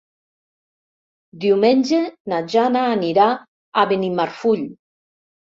Diumenge na Jana anirà a Benimarfull.